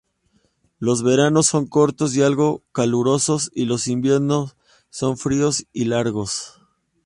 Los veranos son cortos y algo calurosos y los inviernos son fríos y largos.